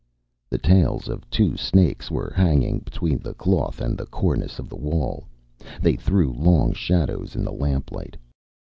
The tails of two snakes were hanging between the cloth and the cornice of the wall. They threw long shadows in the lamp light.